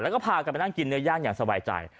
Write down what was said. แล้วก็พากันไปนั่งกินเนื้อย่างอย่างสบายใจ